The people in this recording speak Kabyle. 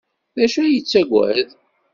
D acu ay yettaggad?